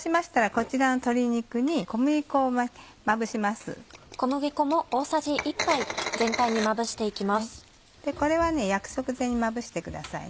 これは焼く直前にまぶしてください。